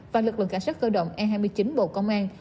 và lực lượng cảnh sát cơ động e hai mươi chín bộ công an